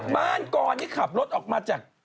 บ้านกรที่ขับรถออกมาจาก